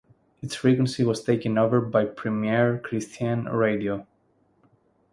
Its frequency was taken over by Premier Christian Radio.